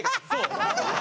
アハハハハ！